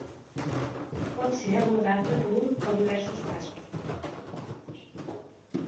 Pot ser abordada per un o diversos passos.